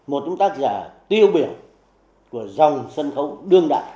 một tác giả tiêu biểu của dòng sân khấu đương đại